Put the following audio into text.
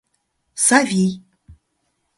Савий.